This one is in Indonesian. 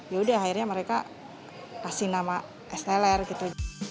yaudah akhirnya mereka kasih nama es teler gitu